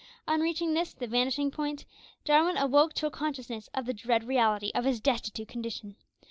On reaching this, the vanishing point, Jarwin awoke to a consciousness of the dread reality of his destitute condition.